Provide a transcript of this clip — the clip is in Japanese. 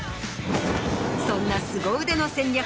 そんなすご腕の戦略